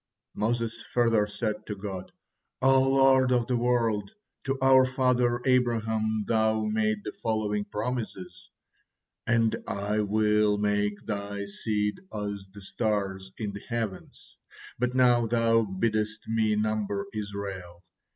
Moses further said to God: "O Lord of the world! To our father Abraham Thou made the following promises: 'And I will make thy seed as the stars in the heavens,' but now Thou biddest me number Israel.